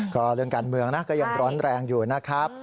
ก็เรื่องการเมืองนะก็ยังร้อนแรงอยู่นะครับ